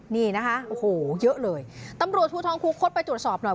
นี่นะคะโอ้โหเยอะเลยตำรวจภูทรคูคศไปตรวจสอบหน่อย